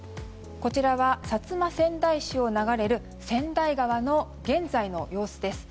こちらは薩摩川内市を流れる川内川の現在の様子です。